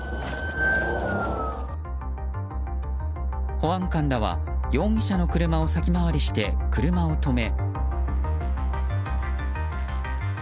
保安官らは、容疑者の車を先回りして車を止め。